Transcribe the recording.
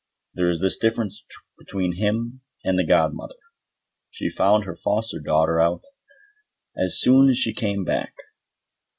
There is this difference between him and the godmother. She found her foster daughter out as soon as she came back.